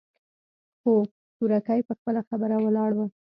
خو سورکی په خپله خبره ولاړ و.